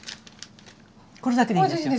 これだけでいいんですよ。